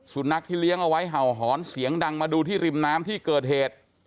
สุนัขที่เลี้ยงเอาไว้เห่าหอนเสียงดังมาดูที่ริมน้ำที่เกิดเหตุ